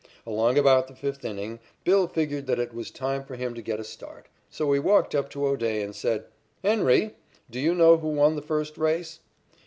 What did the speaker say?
Along about the fifth inning, "Bill" figured that it was time for him to get a start, so he walked up to O'Day and said: "Henry, do you know who won the first race?"